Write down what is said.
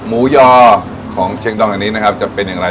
หมูยอของเช็คดองในนี้วจะเป็นยังไง